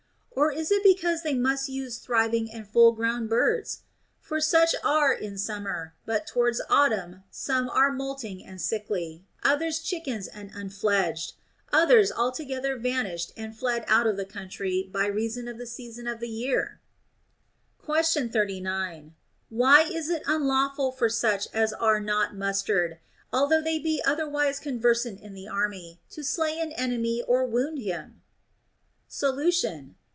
Or is it because they must use thriving and full grown birds ? For such are in summer ; but towards autumn some are moulting and sickly, others chickens and unfledged, others altogether vanished and VOL. II. 15 226 THE ROMAN QUESTIONS. fled out of the country by reason of the season of the year. Question 39. Why is it unlawful for such as are not mustered (although they be otherwise conversant in the army) to slay an enemy or wound him \ Solution.